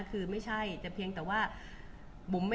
คุณผู้ถามเป็นความขอบคุณค่ะ